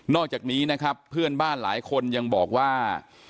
อกจากนี้นะครับเพื่อนบ้านหลายคนยังบอกว่า